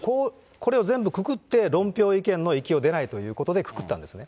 これを全部くくって、論評意見の域を出ないということでくくったんですね。